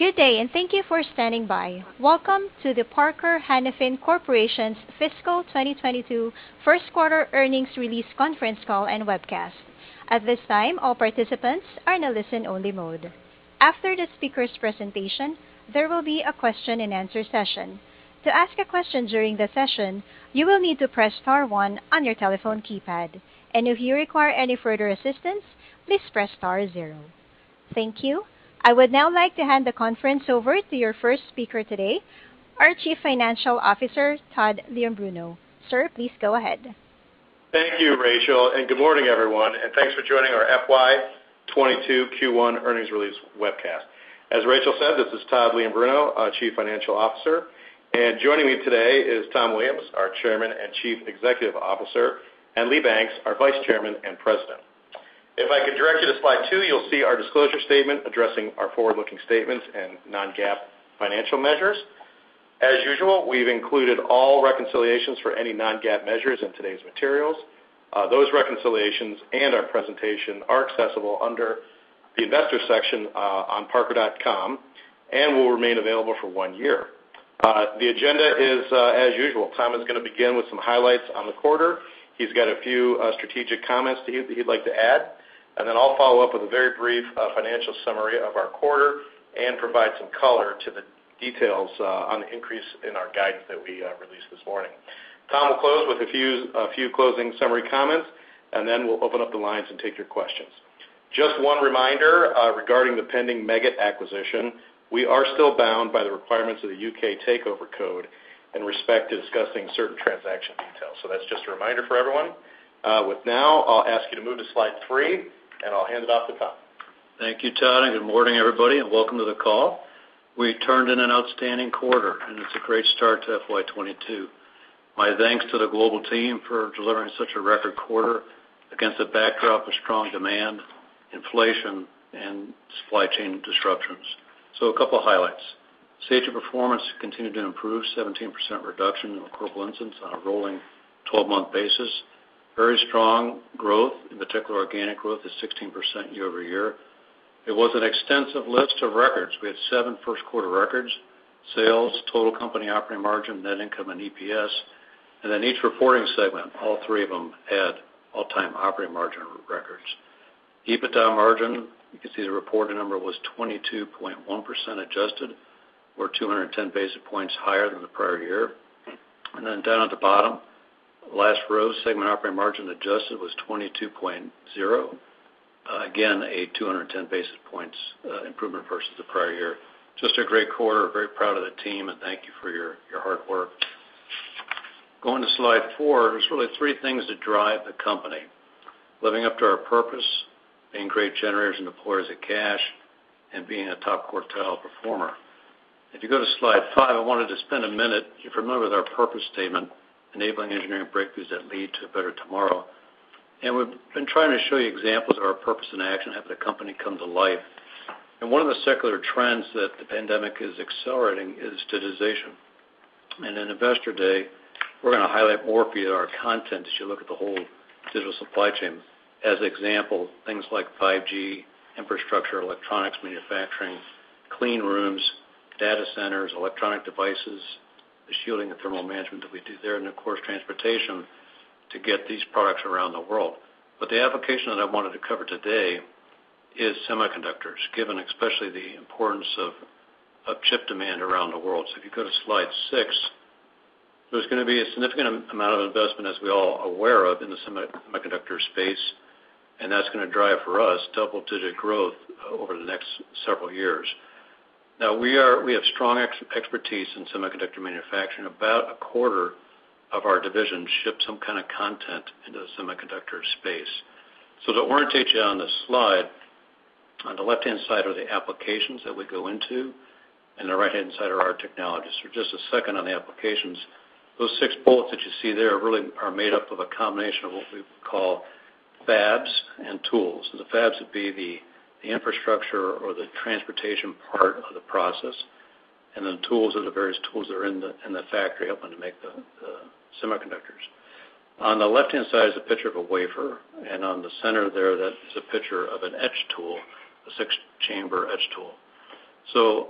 Good day, and thank you for standing by. Welcome to the Parker-Hannifin Corporation's fiscal 2022 first quarter earnings release conference call and webcast. At this time, all participants are in a listen-only mode. After the speaker's presentation, there will be a question-and-answer session. To ask a question during the session, you will need to press star one on your telephone keypad. If you require any further assistance, please press star zero. Thank you. I would now like to hand the conference over to your first speaker today, our Chief Financial Officer, Todd Leombruno. Sir, please go ahead. Thank you, Rachel, and good morning, everyone, and thanks for joining our FY 2022 Q1 earnings release webcast. As Rachel said, this is Todd Leombruno, our Chief Financial Officer. Joining me today is Tom Williams, our Chairman and Chief Executive Officer, and Lee Banks, our Vice Chairman and President. If I could direct you to slide two, you'll see our disclosure statement addressing our forward-looking statements and non-GAAP financial measures. As usual, we've included all reconciliations for any non-GAAP measures in today's materials. Those reconciliations and our presentation are accessible under the investor section on parker.com and will remain available for one year. The agenda is as usual. Tom is gonna begin with some highlights on the quarter. He's got a few strategic comments he'd like to add. Then I'll follow up with a very brief financial summary of our quarter and provide some color to the details on the increase in our guidance that we released this morning. Tom will close with a few closing summary comments, and then we'll open up the lines and take your questions. Just one reminder regarding the pending Meggitt acquisition. We are still bound by the requirements of the U.K. Takeover Code in respect to discussing certain transaction details. That's just a reminder for everyone. With that, I'll ask you to move to slide three, and I'll hand it off to Tom. Thank you, Todd, and good morning, everybody, and welcome to the call. We turned in an outstanding quarter, and it's a great start to FY 2022. My thanks to the global team for delivering such a record quarter against a backdrop of strong demand, inflation, and supply chain disruptions. A couple highlights. Safety performance continued to improve, 17% reduction in recordable incidents on a rolling twelve-month basis. Very strong growth, in particular, organic growth is 16% year-over-year. It was an extensive list of records. We had seven first-quarter records, sales, total company operating margin, net income, and EPS. In each reporting segment, all three of them had all-time operating margin records. EBITDA margin, you can see the reported number was 22.1% adjusted or 210 basis points higher than the prior year. Then down at the bottom, last row, segment operating margin adjusted was 22.0. Again, a 210 basis points improvement versus the prior year. Just a great quarter. Very proud of the team, and thank you for your hard work. Going to slide four, there's really three things that drive the company: living up to our purpose, being great generators and deployers of cash, and being a top-quartile performer. If you go to slide five, I wanted to spend a minute. You remember our purpose statement, enabling engineering breakthroughs that lead to a better tomorrow. We've been trying to show you examples of our purpose in action, having the company come to life. One of the secular trends that the pandemic is accelerating is digitization. In Investor Day, we're gonna highlight more via our content as you look at the whole digital supply chain. For example, things like 5G infrastructure, electronics manufacturing, clean rooms, data centers, electronic devices, the shielding and thermal management that we do there, and of course, transportation to get these products around the world. The application that I wanted to cover today is semiconductors, given especially the importance of chip demand around the world. If you go to slide six, there's gonna be a significant amount of investment, as we're all aware of, in the semiconductor space, and that's gonna drive for us double-digit growth over the next several years. We have strong expertise in semiconductor manufacturing. About a quarter of our divisions ship some kind of content into the semiconductor space. To orient you on this slide, on the left-hand side are the applications that we go into, and the right-hand side are our technologies. For just a second on the applications, those six bullets that you see there really are made up of a combination of what we call fabs and tools. The fabs would be the infrastructure or the transportation part of the process, and the tools are the various tools that are in the factory helping to make the semiconductors. On the left-hand side is a picture of a wafer, and on the center there, that is a picture of an etch tool, a six-chamber etch tool.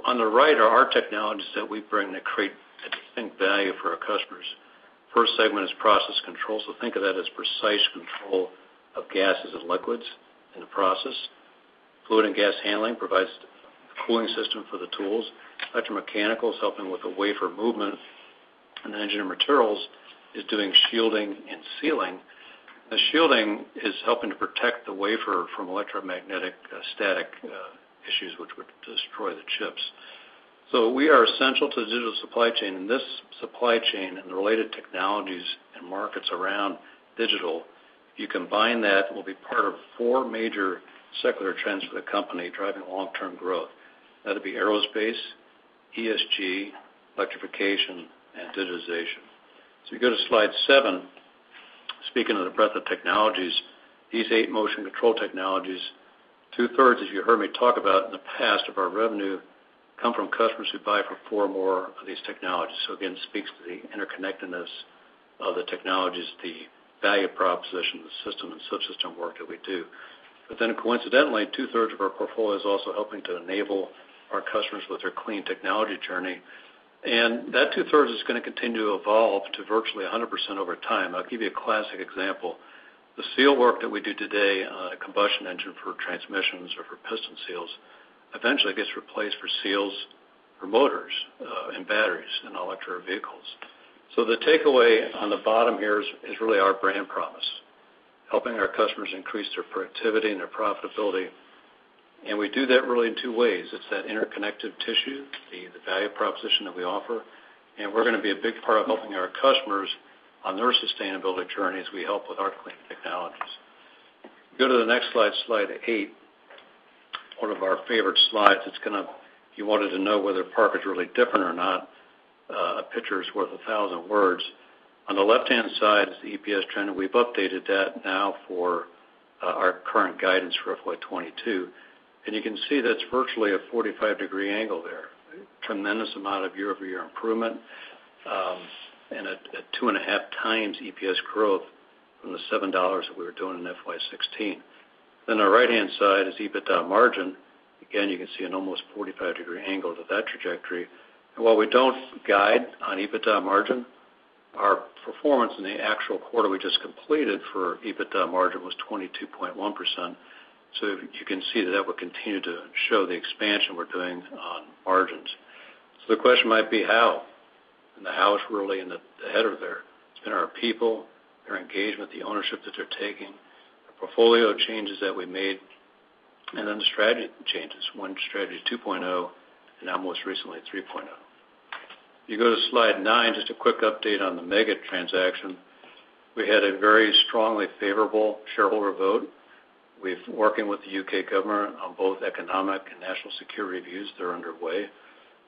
On the right are our technologies that we bring that create a distinct value for our customers. First segment is process control, so think of that as precise control of gases and liquids in the process. Fluid and gas handling provides the cooling system for the tools. Electromechanical is helping with the wafer movement, and the engineering materials is doing shielding and sealing. The shielding is helping to protect the wafer from electromagnetic static issues which would destroy the chips. So we are essential to the digital supply chain. This supply chain and the related technologies and markets around digital, if you combine that, will be part of four major secular trends for the company driving long-term growth. That'll be aerospace, ESG, electrification, and digitization. If you go to slide seven, speaking of the breadth of technologies, these eight motion control technologies, two-thirds, as you heard me talk about in the past, of our revenue come from customers who buy four or more of these technologies. Again, speaks to the interconnectedness of the technologies, the value proposition, the system and subsystem work that we do. Then coincidentally, two-thirds of our portfolio is also helping to enable our customers with their clean technology journey. That two-thirds is gonna continue to evolve to virtually 100% over time. I'll give you a classic example. The seal work that we do today on a combustion engine for transmissions or for piston seals eventually gets replaced for seals for motors and batteries in all electric vehicles. The takeaway on the bottom here is really our brand promise, helping our customers increase their productivity and their profitability. We do that really in two ways. It's that interconnected tissue, the value proposition that we offer, and we're gonna be a big part of helping our customers on their sustainability journey as we help with our clean technologies. Go to the next slide eight, one of our favorite slides. It's gonna if you wanted to know whether Parker's really different or not, a picture is worth a thousand words. On the left-hand side is the EPS trend, and we've updated that now for our current guidance for FY 2022. You can see that's virtually a 45-degree angle there. Tremendous amount of year-over-year improvement and 2.5x EPS growth from the $7 that we were doing in FY 2016. On the right-hand side is EBITDA margin. Again, you can see an almost 45-degree angle to that trajectory. While we don't guide on EBITDA margin, our performance in the actual quarter we just completed for EBITDA margin was 22.1%. You can see that that will continue to show the expansion we're doing on margins. The question might be how. The how is really in the header there. It's been our people, their engagement, the ownership that they're taking, the portfolio changes that we made, and then the strategy changes, Win Strategy 2.0, and now most recently, Win Strategy 3.0. If you go to slide nine, just a quick update on the Meggitt transaction. We had a very strongly favorable shareholder vote. We're working with the U.K. government on both economic and national security reviews that are underway.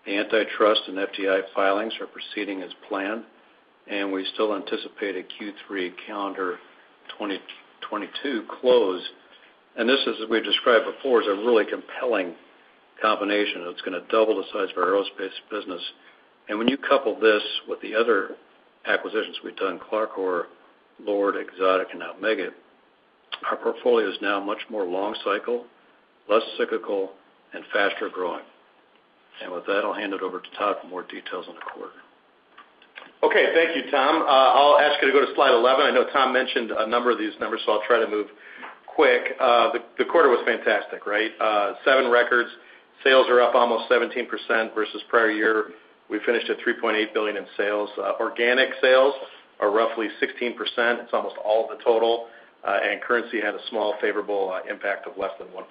The antitrust and FDI filings are proceeding as planned, and we still anticipate a Q3 calendar 2022 close. This is, as we described before, a really compelling combination, and it's gonna double the size of our aerospace business. When you couple this with the other acquisitions we've done, CLARCOR, LORD, Exotic, and now Meggitt, our portfolio is now much more long cycle, less cyclical, and faster growing. With that, I'll hand it over to Todd for more details on the quarter. Okay. Thank you, Tom. I'll ask you to go to slide 11. I know Tom mentioned a number of these numbers, so I'll try to move quick. The quarter was fantastic, right? Seven records. Sales are up almost 17% versus prior year. We finished at $3.8 billion in sales. Organic sales are roughly 16%. It's almost all the total. Currency had a small favorable impact of less than 1%.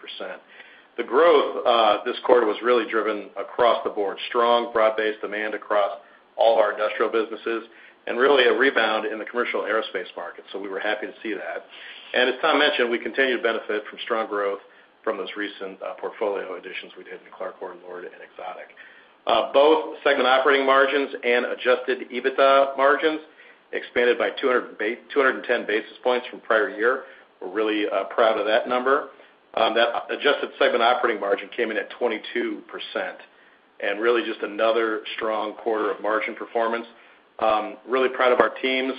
The growth this quarter was really driven across the board, strong broad-based demand across all our industrial businesses and really a rebound in the commercial aerospace market, so we were happy to see that. As Tom mentioned, we continue to benefit from strong growth from those recent portfolio additions we did in CLARCOR, LORD, and Exotic. Both segment operating margins and adjusted EBITDA margins expanded by 210 basis points from prior year. We're really proud of that number. That adjusted segment operating margin came in at 22% and really just another strong quarter of margin performance. Really proud of our teams,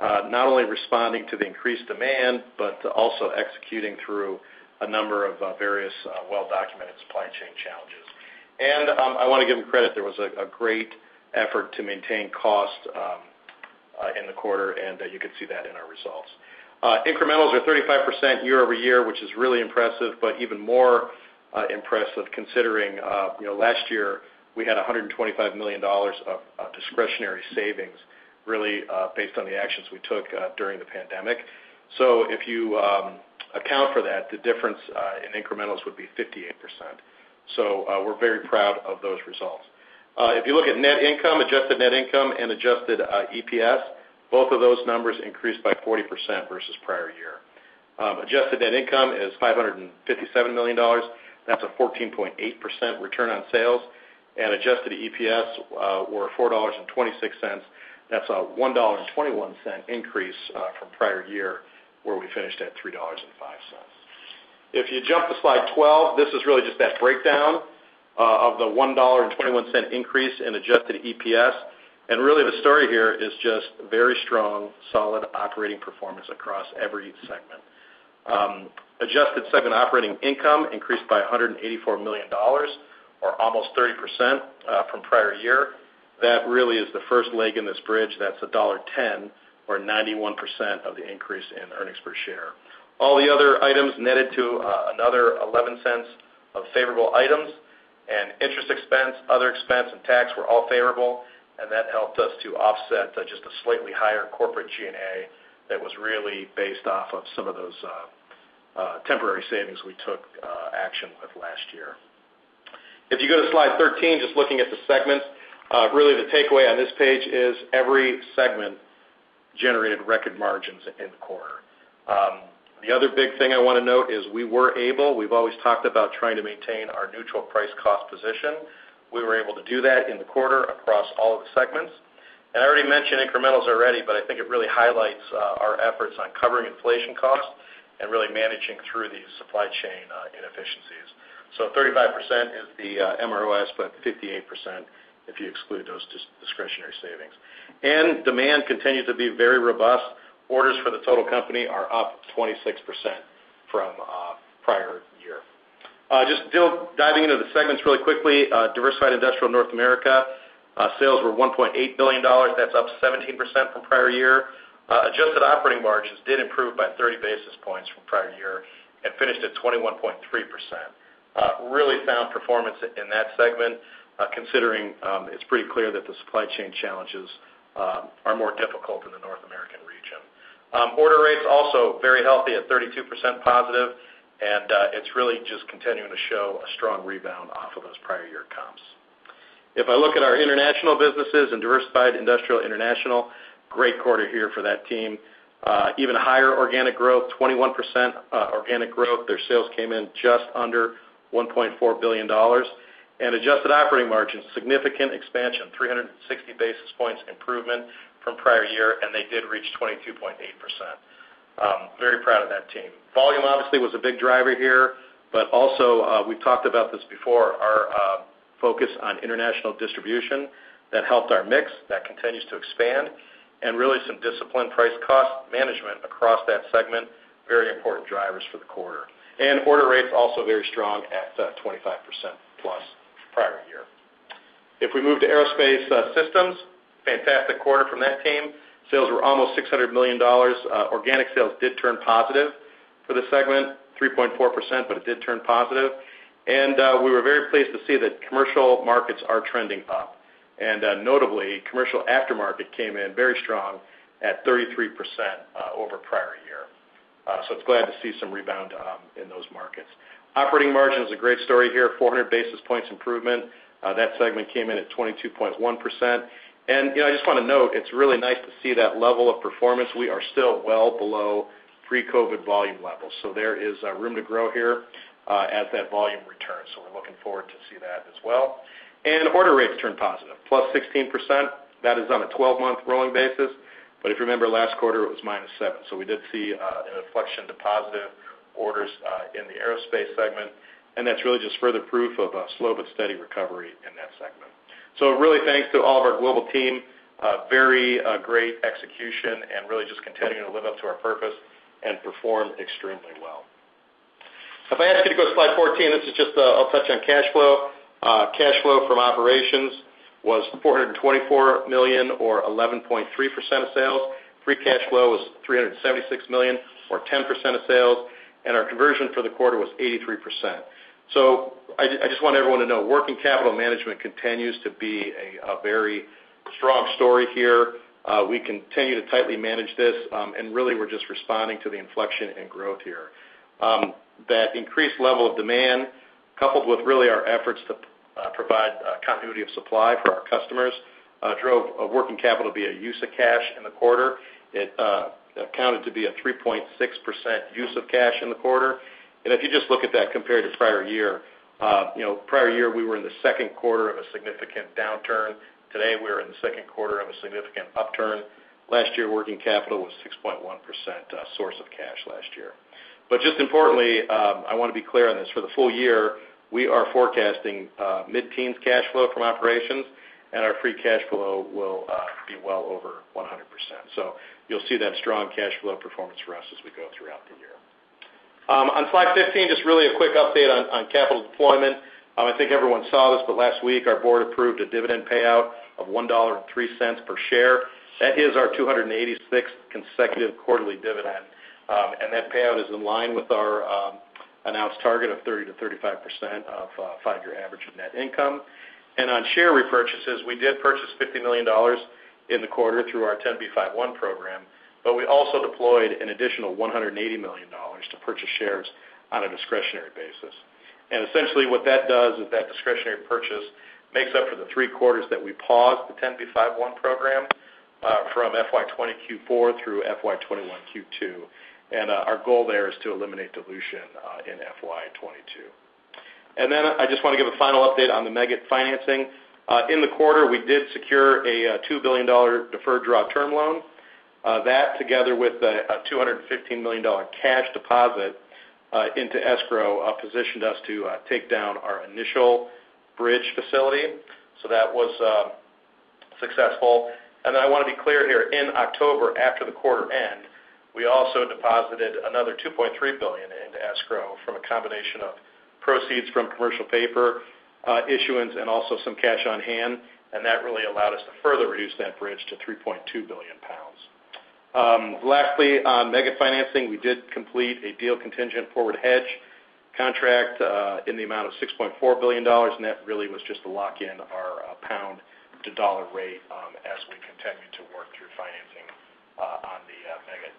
not only responding to the increased demand, but also executing through a number of various, well-documented supply chain challenges. I wanna give them credit. There was a great effort to maintain cost in the quarter, and you can see that in our results. Incrementals are 35% year-over-year, which is really impressive, but even more impressive considering you know last year we had $125 million of discretionary savings really based on the actions we took during the pandemic. If you account for that, the difference in incrementals would be 58%. We're very proud of those results. If you look at net income, adjusted net income, and adjusted EPS, both of those numbers increased by 40% versus prior year. Adjusted net income is $557 million. That's a 14.8% return on sales. Adjusted EPS were $4.26. That's a $1.21 increase from prior year, where we finished at $3.05. If you jump to slide 12, this is really just that breakdown of the $1.21 increase in adjusted EPS. Really the story here is just very strong, solid operating performance across every segment. Adjusted segment operating income increased by $184 million or almost 30%, from prior year. That really is the first leg in this bridge. That's $1.10 or 91% of the increase in earnings per share. All the other items netted to another $0.11 of favorable items, and interest expense, other expense, and tax were all favorable, and that helped us to offset just a slightly higher corporate G&A that was really based off of some of those temporary savings we took action with last year. If you go to slide 13, just looking at the segments, really the takeaway on this page is every segment generated record margins in the quarter. The other big thing I wanna note is we've always talked about trying to maintain our neutral price cost position. We were able to do that in the quarter across all of the segments. I already mentioned incrementals, but I think it really highlights our efforts on covering inflation costs and really managing through these supply chain inefficiencies. 35% is the MROS, but 58% if you exclude those discretionary savings. Demand continues to be very robust. Orders for the total company are up 26% from prior year. Just still diving into the segments really quickly, Diversified Industrial North America sales were $1.8 billion. That's up 17% from prior year. Adjusted operating margins did improve by 30 basis points from prior year and finished at 21.3%. Really sound performance in that segment, considering it's pretty clear that the supply chain challenges are more difficult in the North American region. Order rates also very healthy at 32% positive, and it's really just continuing to show a strong rebound off of those prior year comps. If I look at our international businesses in Diversified Industrial International, great quarter here for that team. Even higher organic growth, 21%, organic growth. Their sales came in just under $1.4 billion. Adjusted operating margins, significant expansion, 360 basis points improvement from prior year, and they did reach 22.8%. Very proud of that team. Volume obviously was a big driver here, but also, we've talked about this before, our focus on international distribution that helped our mix, that continues to expand, and really some disciplined price cost management across that segment, very important drivers for the quarter. Order rates also very strong at 25% plus prior year. If we move to Aerospace Systems, fantastic quarter from that team. Sales were almost $600 million. Organic sales did turn positive for the segment, 3.4%, but it did turn positive. We were very pleased to see that commercial markets are trending up. Notably, commercial aftermarket came in very strong at 33% over prior year. So glad to see some rebound in those markets. Operating margin is a great story here, 400 basis points improvement. That segment came in at 22.1%. You know, I just want to note it's really nice to see that level of performance. We are still well below pre-COVID volume levels. There is room to grow here as that volume returns. We're looking forward to see that as well. Order rates turned positive, +16%. That is on a 12-month rolling basis. If you remember last quarter, it was -7%. We did see an inflection to positive orders in the Aerospace segment, and that's really just further proof of a slow but steady recovery in that segment. Really thanks to all of our global team, very great execution and really just continuing to live up to our purpose and perform extremely well. If I ask you to go to slide 14, this is just, I'll touch on cash flow. Cash flow from operations was $424 million or 11.3% of sales. Free cash flow was $376 million or 10% of sales. Our conversion for the quarter was 83%. I just want everyone to know working capital management continues to be a very strong story here. We continue to tightly manage this, and really we're just responding to the inflection and growth here. That increased level of demand, coupled with really our efforts to provide continuity of supply for our customers, drove working capital as a use of cash in the quarter. It amounted to a 3.6% use of cash in the quarter. If you just look at that compared to prior year, you know, prior year, we were in the second quarter of a significant downturn. Today, we're in the second quarter of a significant upturn. Last year, working capital was 6.1%, source of cash last year. But just importantly, I want to be clear on this. For the full year, we are forecasting mid-teens cash flow from operations, and our free cash flow will be well over 100%. So you'll see that strong cash flow performance for us as we go throughout the year. On slide 15, just really a quick update on capital deployment. I think everyone saw this, but last week, our board approved a dividend payout of $1.03 per share. That is our 286th consecutive quarterly dividend. That payout is in line with our announced target of 30%-35% of five-year average of net income. On share repurchases, we did purchase $50 million in the quarter through our 10b5-1 program, but we also deployed an additional $180 million to purchase shares on a discretionary basis. Essentially what that does is that discretionary purchase makes up for the three quarters that we paused the 10b5-1 program from FY 2020 Q4 through FY 2021 Q2. Our goal there is to eliminate dilution in FY 2022. I just want to give a final update on the Meggitt financing. In the quarter, we did secure a $2 billion deferred draw term loan. That together with a $215 million cash deposit into escrow positioned us to take down our initial bridge facility. That was successful. I want to be clear here, in October, after the quarter end, we also deposited another $2.3 billion into escrow from a combination of proceeds from commercial paper issuance, and also some cash on hand. That really allowed us to further reduce that bridge to 3.2 billion pounds. Lastly, on Meggitt financing, we did complete a deal contingent forward hedge contract in the amount of $6.4 billion, and that really was just to lock in our pound-to-dollar rate as we continue to work through financing on the Meggitt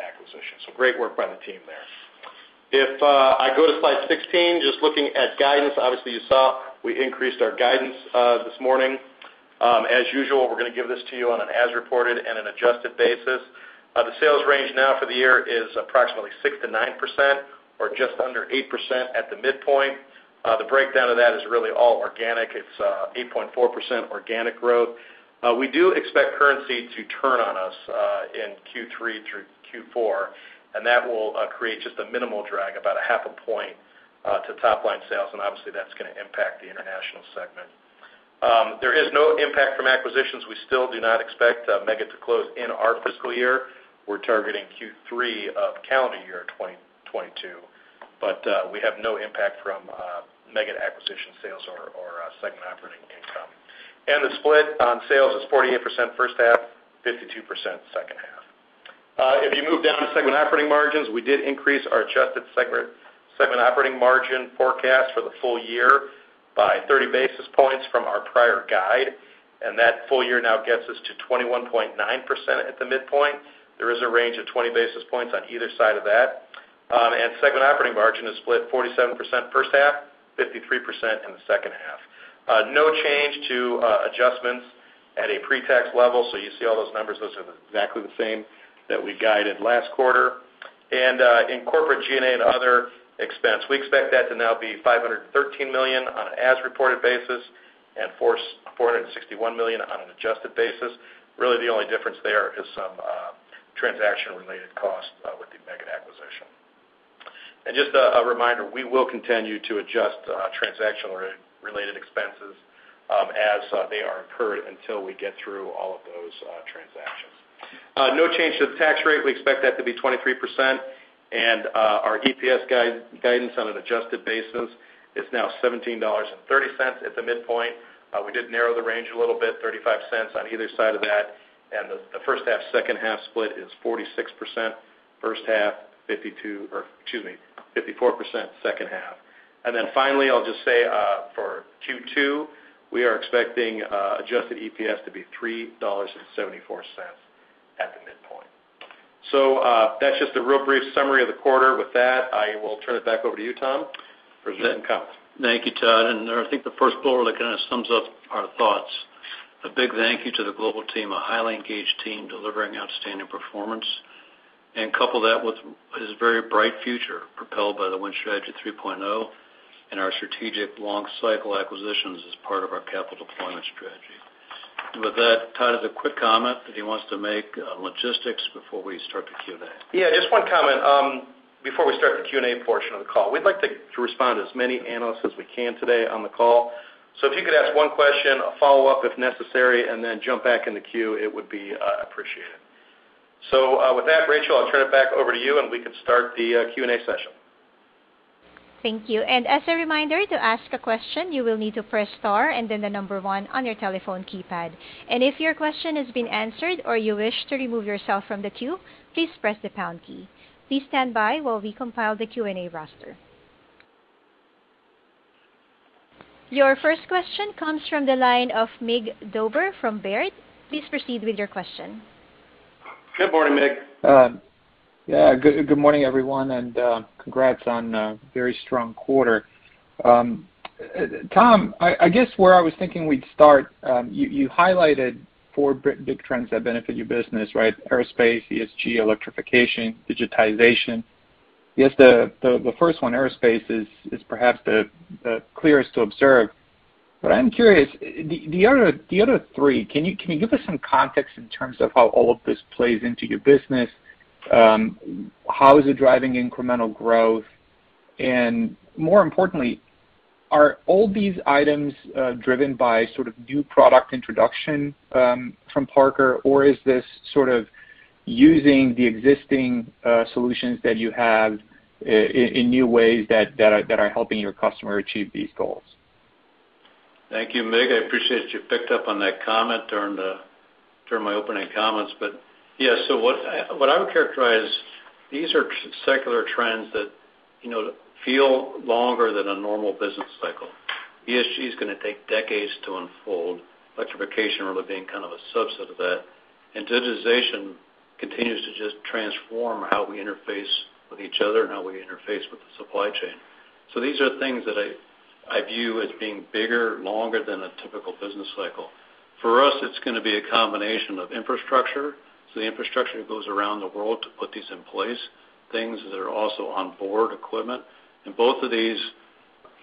acquisition. Great work by the team there. If I go to slide 16, just looking at guidance, obviously you saw we increased our guidance this morning. As usual, we're gonna give this to you on an as-reported and an adjusted basis. The sales range now for the year is approximately 6%-9% or just under 8% at the midpoint. The breakdown of that is really all organic. It's 80.4% organic growth. We do expect currency to turn on us in Q3 through Q4, and that will create just a minimal drag, about 0.5 point to top line sales, and obviously that's gonna impact the international segment. There is no impact from acquisitions. We still do not expect Meggitt to close in our fiscal year. We're targeting Q3 of calendar year 2022. We have no impact from Meggitt acquisition sales or segment operating income. The split on sales is 48% first half, 52% second half. If you move down to segment operating margins, we did increase our adjusted segment operating margin forecast for the full year by 30 basis points from our prior guide, and that full year now gets us to 21.9% at the midpoint. There is a range of 20 basis points on either side of that. Segment operating margin is split 47% first half, 53% in the second half. No change to adjustments at a pre-tax level, so you see all those numbers. Those are exactly the same that we guided last quarter. In corporate G&A and other expense, we expect that to now be $513 million on an as-reported basis and $461 million on an adjusted basis. Really, the only difference there is some transaction-related costs with the Meggitt acquisition. Just a reminder, we will continue to adjust transaction-related expenses as they are incurred until we get through all of those transactions. No change to the tax rate. We expect that to be 23%, and our EPS guidance on an adjusted basis is now $17.30 at the midpoint. We did narrow the range a little bit, $0.35 on either side of that. The first half, second half split is 46% first half, 54% second half. Then finally, I'll just say, for Q2, we are expecting adjusted EPS to be $3.74 at the midpoint. That's just a real brief summary of the quarter. With that, I will turn it back over to you, Tom, for opening comments. Thank you, Todd. I think the first bullet kind of sums up our thoughts. A big thank you to the global team, a highly engaged team delivering outstanding performance. Couple that with this very bright future propelled by the Win Strategy 3.0 and our strategic long cycle acquisitions as part of our capital deployment strategy. With that, Todd has a quick comment that he wants to make on logistics before we start the Q&A. Yeah, just one comment before we start the Q&A portion of the call. We'd like to respond to as many analysts as we can today on the call. If you could ask one question, a follow-up if necessary, and then jump back in the queue, it would be appreciated. With that, Rachel, I'll turn it back over to you, and we can start the Q&A session. Thank you. As a reminder, to ask a question, you will need to press star and then the number one on your telephone keypad. If your question has been answered or you wish to remove yourself from the queue, please press the pound key. Please stand by while we compile the Q&A roster. Your first question comes from the line of Mig Dobre from Baird. Please proceed with your question. Good morning, Mig. Yeah, good morning, everyone, and congrats on a very strong quarter. Tom, I guess where I was thinking we'd start, you highlighted four big trends that benefit your business, right? Aerospace, ESG, electrification, digitization. I guess the first one, aerospace, is perhaps the clearest to observe. I'm curious, the other three, can you give us some context in terms of how all of this plays into your business? How is it driving incremental growth? And more importantly, are all these items driven by sort of new product introduction from Parker? Or is this sort of using the existing solutions that you have in new ways that are helping your customer achieve these goals? Thank you, Mig. I appreciate you picked up on that comment during my opening comments. Yeah, what I would characterize these are secular trends that, you know, feel longer than a normal business cycle. ESG is gonna take decades to unfold, electrification really being kind of a subset of that, and digitization continues to just transform how we interface with each other and how we interface with the supply chain. These are things that I view as being bigger, longer than a typical business cycle. For us, it's gonna be a combination of infrastructure, so the infrastructure that goes around the world to put these in place, things that are also on board equipment. Both of these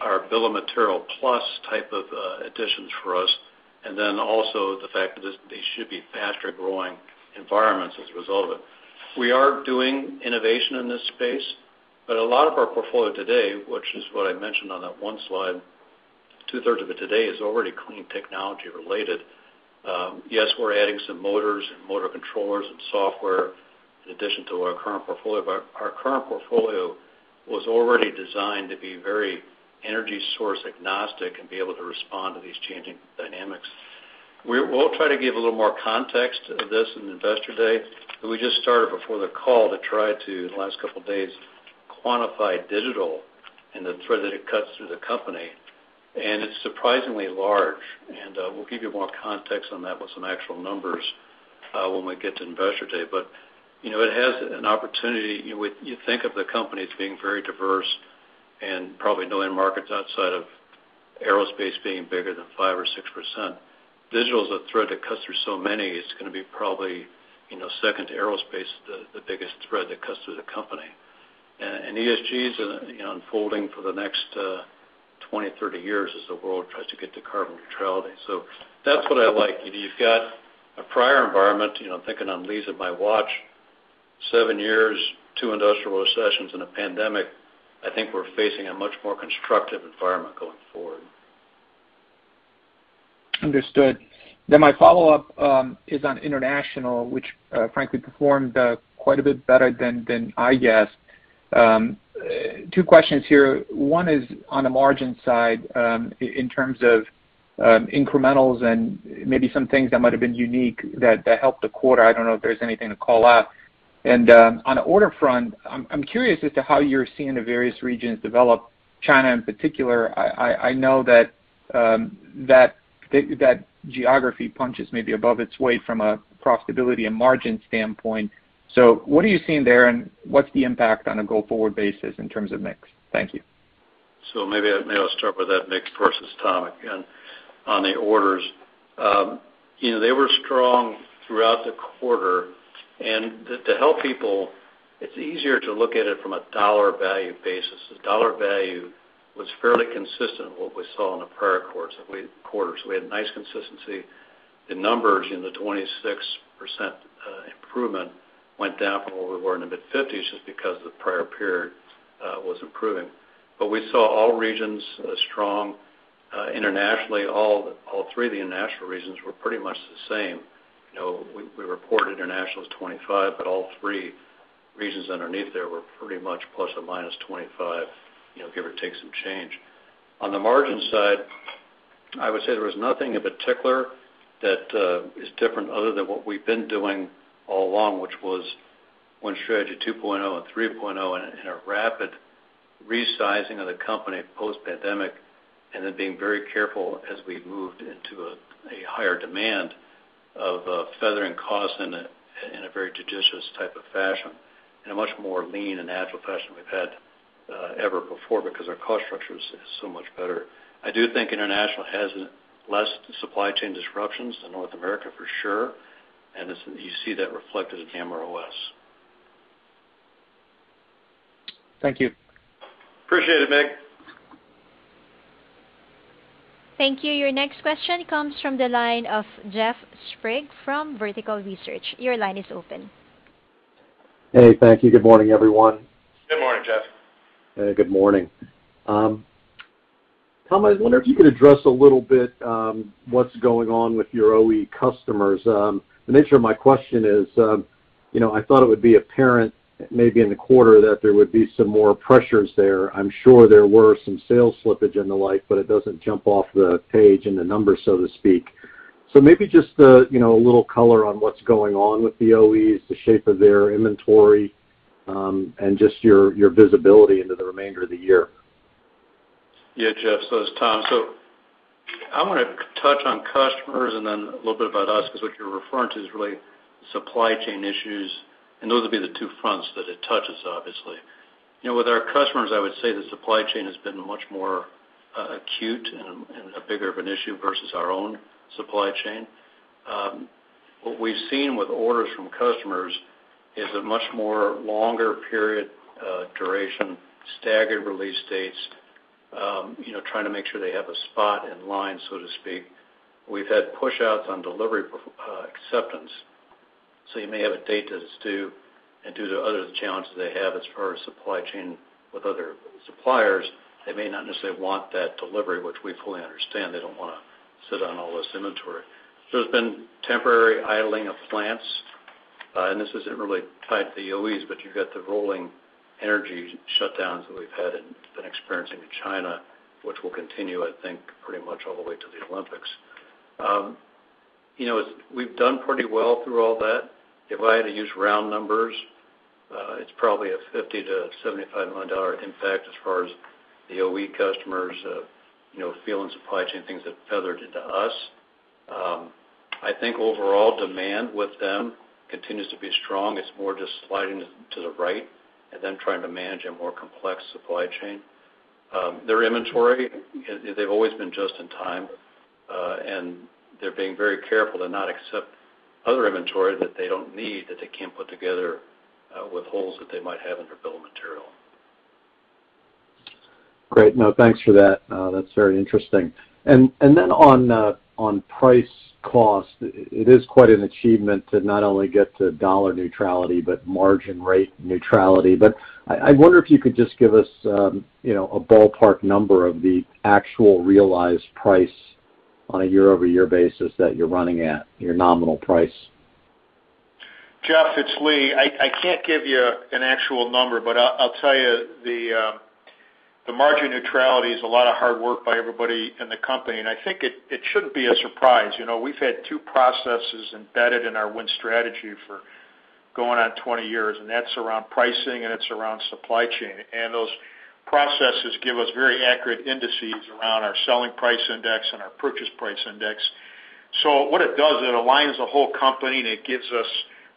are bill of material plus type of additions for us, and then also the fact that this, they should be faster growing environments as a result of it. We are doing innovation in this space, but a lot of our portfolio today, which is what I mentioned on that one slide, two-thirds of it today is already clean technology related. Yes, we're adding some motors and motor controllers and software in addition to our current portfolio, but our current portfolio was already designed to be very energy source agnostic and be able to respond to these changing dynamics. We'll try to give a little more context to this in Investor Day, but we just started before the call to try to, the last couple days, quantify digital and the thread that it cuts through the company, and it's surprisingly large. We'll give you more context on that with some actual numbers when we get to Investor Day. You know, it has an opportunity. You think of the company as being very diverse and probably knowing markets outside of Aerospace being bigger than 5% or 6%. Digital is a thread that cuts through so many. It's gonna be probably, you know, second to Aerospace, the biggest thread that cuts through the company. ESG is, you know, unfolding for the next 20, 30 years as the world tries to get to carbon neutrality. That's what I like. You've got a prior environment, you know. I'm thinking on Lee's and my watch, seven years, two industrial recessions in a pandemic. I think we're facing a much more constructive environment going forward. Understood. My follow-up is on international, which frankly performed quite a bit better than I guessed. Two questions here. One is on the margin side, in terms of incrementals and maybe some things that might have been unique that helped the quarter. I don't know if there's anything to call out. On the order front, I'm curious as to how you're seeing the various regions develop, China in particular. I know that geography punches maybe above its weight from a profitability and margin standpoint. What are you seeing there? And what's the impact on a go-forward basis in terms of mix? Thank you. Maybe I'll start with that mix versus Tom again on the orders. You know, they were strong throughout the quarter. To help people, it's easier to look at it from a dollar value basis. The dollar value was fairly consistent with what we saw in the prior quarter. We had nice consistency. The numbers in the 26% improvement went down from where we were in the mid-50s just because the prior period was improving. We saw all regions strong internationally. All three of the international regions were pretty much the same. You know, we reported international as 25, but all three regions underneath there were pretty much ± 25, you know, give or take some change. On the margin side, I would say there was nothing in particular that is different other than what we've been doing all along, which was Win Strategy 2.0 and 3.0, and a rapid resizing of the company post-pandemic, and then being very careful as we moved into a higher demand of feathering costs in a very judicious type of fashion, in a much more lean and agile fashion we've had ever before because our cost structure is so much better. I do think international has less supply chain disruptions than North America for sure, and you see that reflected in camera OS. Thank you. Appreciate it, Mig. Thank you. Your next question comes from the line of Jeff Sprague from Vertical Research. Your line is open. Hey, thank you. Good morning, everyone. Good morning, Jeff. Hey, good morning. Tom, I was wondering if you could address a little bit, what's going on with your OE customers. The nature of my question is, you know, I thought it would be apparent maybe in the quarter that there would be some more pressures there. I'm sure there were some sales slippage and the like, but it doesn't jump off the page in the numbers, so to speak. Maybe just a, you know, a little color on what's going on with the OEs, the shape of their inventory, and just your visibility into the remainder of the year. Yeah, Jeff. It's Tom. I'm gonna touch on customers and then a little bit about us, because what you're referring to is really supply chain issues, and those will be the two fronts that it touches, obviously. You know, with our customers, I would say the supply chain has been much more acute and a bigger issue versus our own supply chain. What we've seen with orders from customers is a much more longer period duration, staggered release dates, you know, trying to make sure they have a spot in line, so to speak. We've had pushouts on delivery acceptance, so you may have a date that it's due, and due to other challenges they have as far as supply chain with other suppliers, they may not necessarily want that delivery, which we fully understand. They don't wanna sit on all this inventory. There's been temporary idling of plants, and this isn't really tied to the OEs, but you've got the rolling energy shutdowns that we've had and been experiencing in China, which will continue, I think, pretty much all the way to the Olympics. You know, we've done pretty well through all that. If I had to use round numbers, it's probably a $50-$75 million impact as far as the OE customers, you know, feeling supply chain things that feathered into us. I think overall demand with them continues to be strong. It's more just sliding to the right and then trying to manage a more complex supply chain. Their inventory, they've always been just in time, and they're being very careful to not accept other inventory that they don't need, that they can't put together with holes that they might have in their bill of material. Great. No, thanks for that. That's very interesting. On price cost, it is quite an achievement to not only get to dollar neutrality, but margin rate neutrality. I wonder if you could just give us a ballpark number of the actual realized price on a year-over-year basis that you're running at, your nominal price. Jeff, it's Lee. I can't give you an actual number, but I'll tell you the margin neutrality is a lot of hard work by everybody in the company, and I think it shouldn't be a surprise. You know, we've had two processes embedded in our Win Strategy for going on 20 years, and that's around pricing and it's around supply chain. Those processes give us very accurate indices around our selling price index and our purchase price index. What it does is it aligns the whole company, and it gives us